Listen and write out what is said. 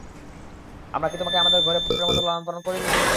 আমরা কি তোমাকে আমাদের ঘরে পুত্রের মত লালন-পালন করিনি?